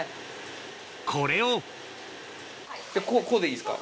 これをこうでいいですか？